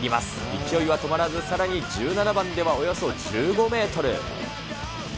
勢いは止まらず、さらに１７番では、およそ１５メートル。